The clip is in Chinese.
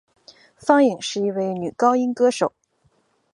方颖是一位女高音歌手。